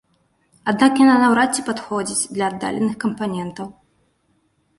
Аднак яна наўрад ці падыходзіць для аддаленых кампанентаў.